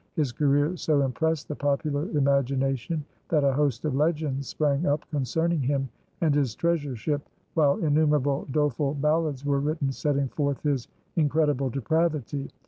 His career so impressed the popular imagination that a host of legends sprang up concerning him and his treasure ship, while innumerable doleful ballads were written setting forth his incredible depravity.